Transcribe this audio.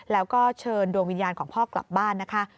แล้วก็เชิญดวงวิญญาณของพ่อกลับบ้านนะคะ